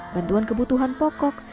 bantuan kebutuhan pokok